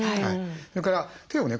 それから手をね